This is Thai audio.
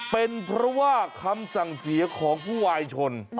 เป็นเพราะว่าคำสั่งเสียของผู้วายชน